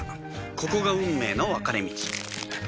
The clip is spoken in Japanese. ここが運命の分かれ道